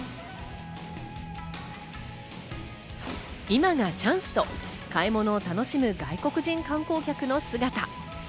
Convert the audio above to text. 今がチャンスと買い物を楽しむ、外国人観光客の姿。